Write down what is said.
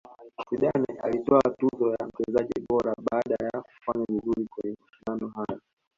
zidane alitwaa tuzo ya mchezaji bora baada ya kufanya vizuri kwenye mashindano hayo